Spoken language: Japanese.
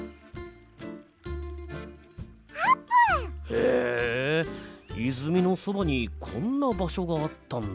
へえいずみのそばにこんなばしょがあったんだ。